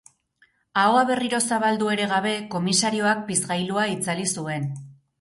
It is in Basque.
Ahoa berriro zabaldu ere gabe, komisarioak pizgailua itzali zuen.